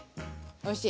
おいしい！